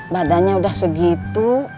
badannya udah segitu